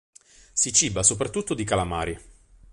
Si ciba soprattutto di calamari.